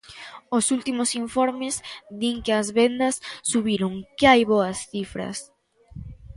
Os últimos informes din que as vendas subiron, que hai boas cifras.